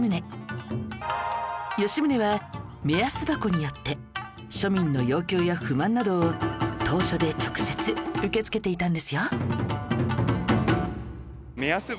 吉宗は目安箱によって庶民の要求や不満などを投書で直接受け付けていたんですよ